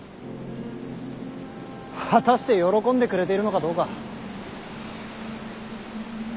果たして喜んでくれているのかどうか。